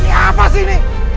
ini apa sih ini